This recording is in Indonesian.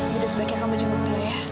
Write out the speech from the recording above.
jadi sebaiknya kamu jemput dulu ya